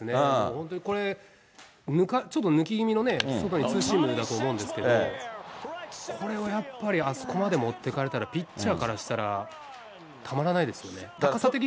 本当にこれ、ちょっと抜き気味の外にツーシームだと思うんですけど、これをやっぱりあそこまで持ってかれたら、ピッチャーからしたら、たまらないですよね。